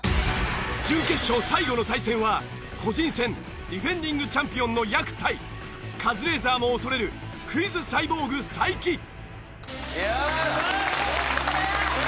準決勝最後の対戦は個人戦ディフェンディングチャンピオンのやく対カズレーザーも恐れるクイズサイボーグ才木。